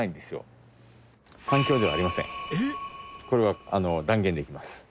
これは断言できます。